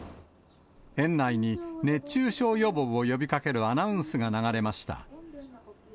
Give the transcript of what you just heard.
園内に熱中症予防を呼びかけるアナウンスが流れました。